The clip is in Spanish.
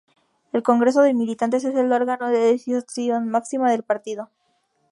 El Congreso de militantes es el órgano de decisión máxima del partido.